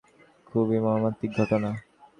খুবই মর্মান্তিক ঘটনা।